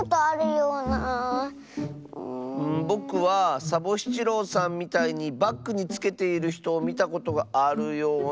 ぼくはサボしちろうさんみたいにバッグにつけているひとをみたことがあるような。